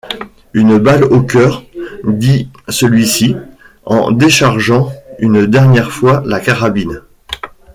Une balle au cœur », dit celui-ci, en déchargeant une dernière fois la carabine.